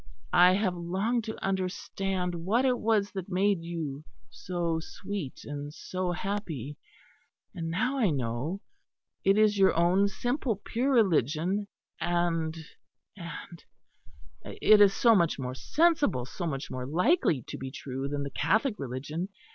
I have longed to understand what it was that made you so sweet and so happy; and now I know; it is your own simple pure religion; and and it is so much more sensible, so much more likely to be true than the Catholic religion.